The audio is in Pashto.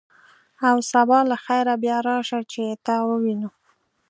او سبا له خیره بیا راشه، چې تا ووینو.